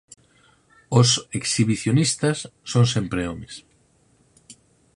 Os exhibicionistas son sempre homes.